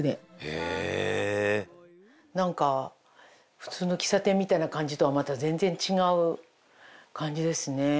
「へえー！」なんか普通の喫茶店みたいな感じとはまた全然違う感じですね。